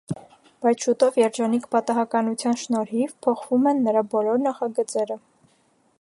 Բայց շուտով երջանիկ պատահականության շնորհիվ փոխվում են նրա բոլոր նախագծերը։